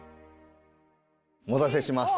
お待たせしました。